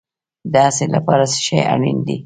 د هڅې لپاره څه شی اړین دی؟